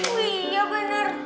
wih ya bener